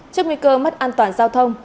trước nguy cơ mất an toàn giao thông